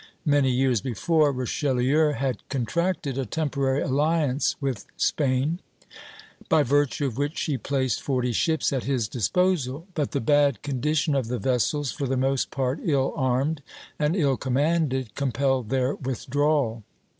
Many years before, Richelieu had contracted a temporary alliance with Spain, by virtue of which she placed forty ships at his disposal; but the bad condition of the vessels, for the most part ill armed and ill commanded, compelled their withdrawal.